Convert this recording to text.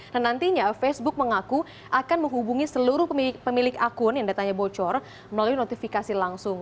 nah nantinya facebook mengaku akan menghubungi seluruh pemilik akun yang datanya bocor melalui notifikasi langsung